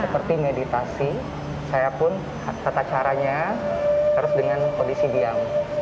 seperti meditasi saya pun tata caranya harus dengan kondisi diam